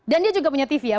dan dia juga punya tv ya